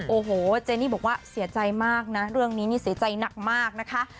โอ้โหเจนี่บอกว่าเสียใจมากนะเรื่องนี้นี่เสียใจหนักมากนะคะ